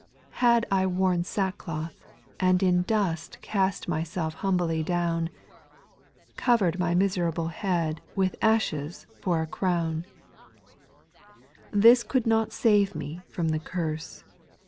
SPIRITUAL SON OS. 49 2 Had I worn sackcloth, and in dust Cast myself Lumbly down, Oover'd my miserable head With ashes for a crown : 8. This could not save me from the curse.